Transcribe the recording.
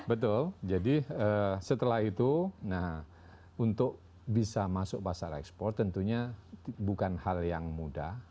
betul jadi setelah itu untuk bisa masuk pasar ekspor tentunya bukan hal yang mudah